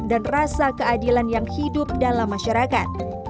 dan rasa keadilan yang hidup dalam masyarakat